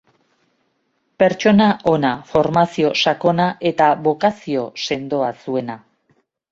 Pertsona ona, formazio sakona eta bokazio sendoa zuena.